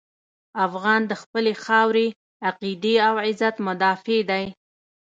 افغان د خپلې خاورې، عقیدې او عزت مدافع دی.